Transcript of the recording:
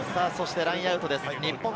そしてラインアウトです。